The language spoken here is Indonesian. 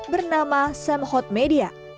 bernama semhot media